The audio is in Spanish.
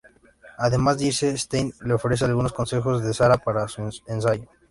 Antes de irse, Stine le ofrece algunos consejos a Sarah para su ensayo.